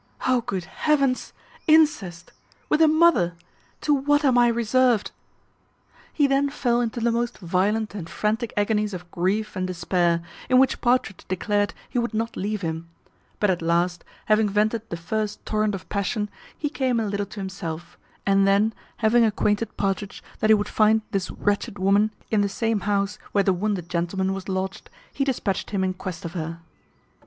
O good Heavens! incest with a mother! To what am I reserved!" He then fell into the most violent and frantic agonies of grief and despair, in which Partridge declared he would not leave him; but at last, having vented the first torrent of passion, he came a little to himself; and then, having acquainted Partridge that he would find this wretched woman in the same house where the wounded gentleman was lodged, he despatched him in quest of her.